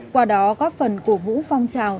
qua đó góp phần cổ vũ phong trào